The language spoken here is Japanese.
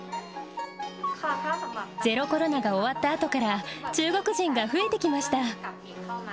ゼロコロナが終わったあとから、中国人が増えてきました。